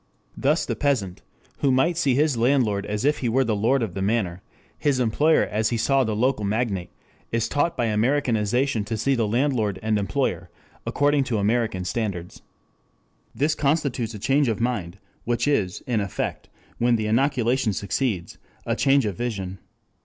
Thus the peasant who might see his landlord as if he were the lord of the manor, his employer as he saw the local magnate, is taught by Americanization to see the landlord and employer according to American standards. This constitutes a change of mind, which is, in effect, when the inoculation succeeds, a change of vision.